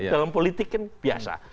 dalam politik kan biasa